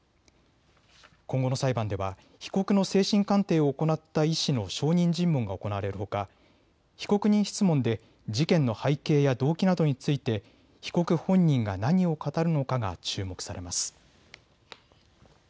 今後の裁判では被告の精神鑑定を行った医師の証人尋問が行われるほか、被告人質問で事件の背景や動機などについて被告本人が何を語るのかが注目されます。